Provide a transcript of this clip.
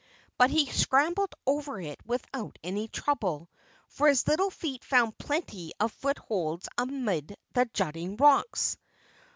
But he scrambled over it without any trouble, for his little feet found plenty of footholds amid the jutting rocks.